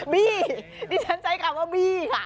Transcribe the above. บี้ดิฉันใช้คำว่าบี้ค่ะ